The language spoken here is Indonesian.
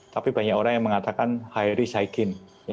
tapi banyak orang yang mengatakan high risk high gain